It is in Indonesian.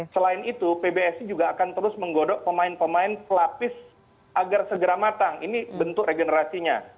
selain itu pbsi juga akan terus menggodok pemain pemain pelapis agar segera matang ini bentuk regenerasinya